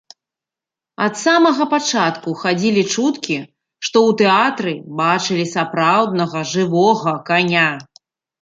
Ад самага пачатку хадзілі чуткі, што ў тэатры бачылі сапраўднага жывога каня.